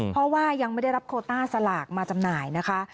เพราะว่ายังไม่ได้รับโคต้าสลากมาจำหน่ายนะคะ